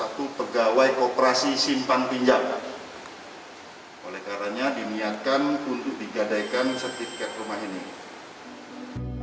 yakni seorang pegawai koperasi simpan pinjam dan dua orang maklar yang sempat masuk ke dalam rumah keluarga itu